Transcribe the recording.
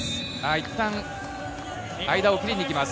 いったん間を切りに行きます。